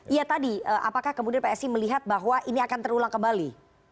iya tadi apakah kemudian psi melihat bahwa ini akan terulang kembali